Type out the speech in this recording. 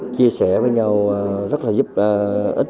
chia sẻ với nhau rất là giúp ích